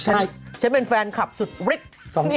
ฉันเป็นแฟนคลับสุดฤทธิ์